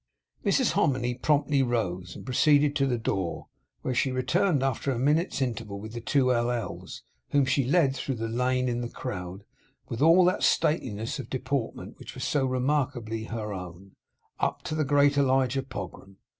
Mrs Hominy promptly rose, and proceeded to the door, whence she returned, after a minute's interval, with the two L. L.'s, whom she led, through the lane in the crowd, with all that stateliness of deportment which was so remarkably her own, up to the great Elijah Pogram.